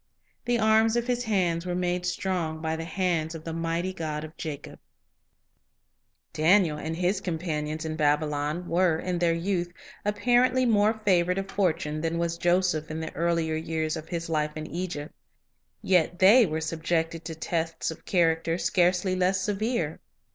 "The arms of his hands were made strong By the hands of tlie mighty God of Jacob.' Perils in Babylon Daniel and his companions in Babylon were, in their youth, apparently more favored of fortune than was foseph in the earlier years of his life in Egypt; yet they were subjected to tests of character scarcely less severe.